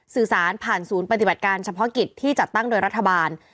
สื่อสารผ่านศูนย์ปฏิบัติการเฉพาะกิจที่จัดตั้งโดยรัฐบาล